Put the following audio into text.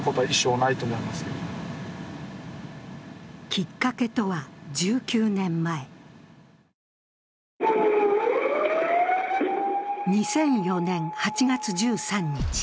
きっかけとは、１９年前２００４年８月１３日。